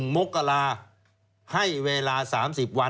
๑มกราศาสตร์ให้เวลา๓๐วัน